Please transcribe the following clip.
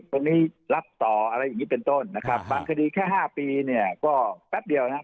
ตรงนี้รับต่ออะไรอย่างนี้เป็นต้นนะครับบางคดีแค่๕ปีเนี่ยก็แป๊บเดียวนะฮะ